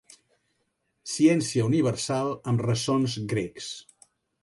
Ciència universal amb ressons grecs.